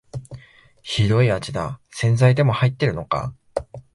ひどい味だ、洗剤でも入ってるのか